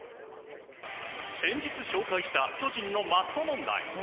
先日紹介した巨人のマット問題。